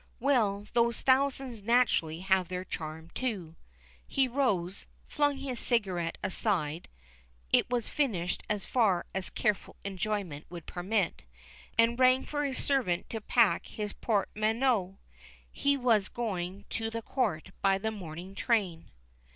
well, those thousands naturally have their charm, too. He rose, flung his cigarette aside (it was finished as far as careful enjoyment would permit), and rang for his servant to pack his portmanteaux. He was going to the Court by the morning train.